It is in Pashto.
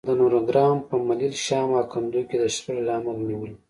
د نورګرام په ملیل، شام او کندو کې د شخړې له امله نیولي